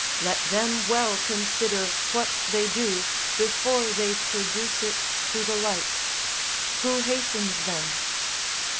Let them well consider what they do before they, produce it to the light who hastens them?